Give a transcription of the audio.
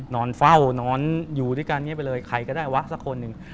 นอนเฝ้านอนอยู่ด้วยกันเงียบไปเลยใครก็ได้วะสักคนหนึ่ง